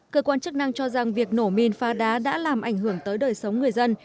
cơ quan chức năng cho rằng việc nổ mìn phá đá đã làm ảnh hưởng tới đời sống người dân